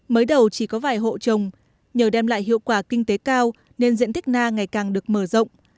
mới đầu chỉ có vài hộ trồng nhờ đem lại hiệu quả kinh tế cao nên diện tích na ngày càng được mở rộng